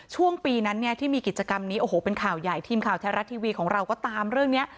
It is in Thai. ช่วงปีนั้นเนี่ยที่มีกิจกรรมนี้โอ้โหเป็นข่าวใหญ่ทีมข่าวไทยรัฐทีวีของเราก็ตามเรื่องนี้